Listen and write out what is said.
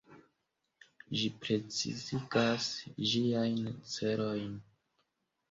Ĝi precizigas ĝiajn celojn.